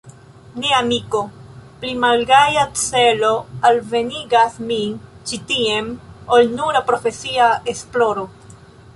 Ne, amiko, pli malgaja celo alvenigas min ĉi tien, ol nura profesia esploro.